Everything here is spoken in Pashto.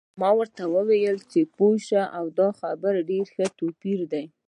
ما ورته وویل: پوه شوم، دا خو ډېر ښه توپیر دی.